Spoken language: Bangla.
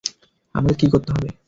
আমাকে কি করতে হবে?